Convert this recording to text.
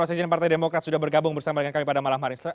wasikjen partai demokrat sudah bergabung bersama dengan kami pada malam hari